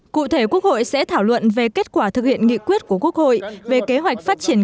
cụ thể quốc hội sẽ thảo luận về kết quả thực hiện nghị quyết của quốc hội về kế hoạch phát triển